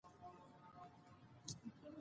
انسان هر وخت زدکړه کولای سي .